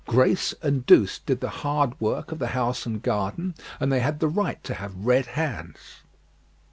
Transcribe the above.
Grace and Douce did the hard work of the house and garden, and they had the right to have red hands.